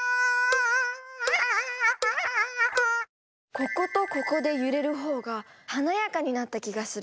こことここで揺れるほうが華やかになった気がする。